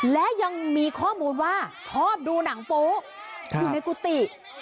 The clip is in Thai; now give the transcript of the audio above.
และยังมีข้อมูลว่าชอบดูหนังโป๊ะอยู่ในกุฏิ